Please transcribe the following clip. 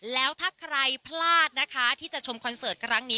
แล้วถ้าใครพลาดนะคะที่จะชมคอนเสิร์ตครั้งนี้